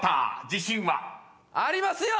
自信は？］ありますよ！